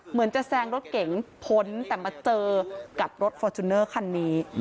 เหมือนจะแซงรถเก๋งพ้นแต่มาเจอกับรถฟอร์จูเนอร์คันนี้